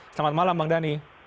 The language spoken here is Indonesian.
selamat malam bang dhani